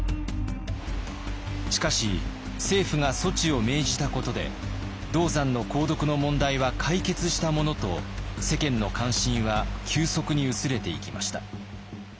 しかし政府が措置を命じたことで銅山の鉱毒の問題は解決したものと世間の関心は急速に薄れていきました。